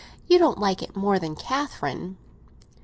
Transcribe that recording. You don't like it more than Catherine?"